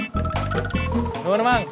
semarang semarang semarang